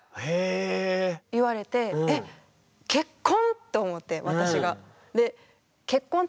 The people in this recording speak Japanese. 言われて「えっ結婚⁉」と思って私が。